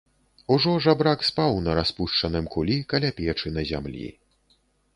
Ужо жабрак спаў на распушчаным кулі каля печы на зямлі.